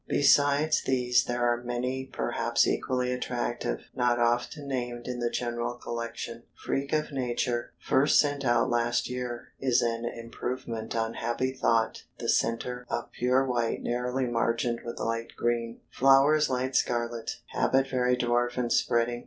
Beside these there are many perhaps equally attractive, not often named in the general collection. Freak of Nature, first sent out last year, is an improvement on Happy Thought the center of pure white narrowly margined with light green; flowers light scarlet; habit very dwarf and spreading.